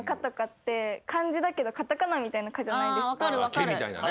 「ケ」みたいなね。